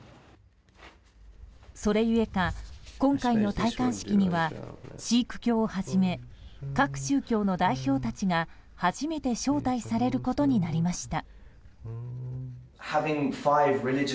それゆえか、今回の戴冠式にはシーク教をはじめ各宗教の代表たちが初めて招待されることになりました。